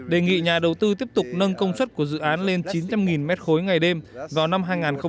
đề nghị nhà đầu tư tiếp tục nâng công suất của dự án lên chín trăm linh m ba ngày đêm vào năm hai nghìn hai mươi